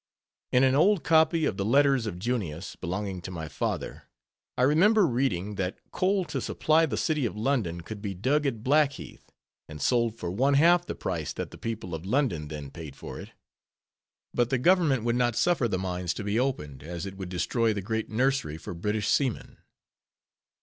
In an old copy of the Letters of Junius, belonging to my father, I remember reading, that coal to supply the city of London could be dug at Blackheath, and sold for one half the price that the people of London then paid for it; but the Government would not suffer the mines to be opened, as it would destroy the great nursery for British seamen.